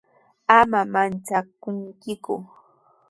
Ama manchakuyku.